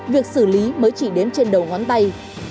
việc xử lý mới chỉ đến trên đầu ngón tay